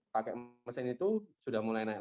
pakai mesin itu sudah mulai naik